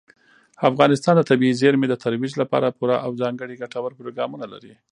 افغانستان د طبیعي زیرمې د ترویج لپاره پوره او ځانګړي ګټور پروګرامونه لري.